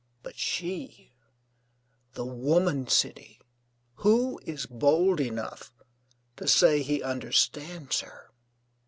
But she, the woman city, who is bold enough to say he understands her?